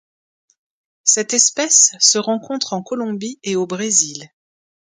Cette espèce se rencontre en Colombie et au Brésil.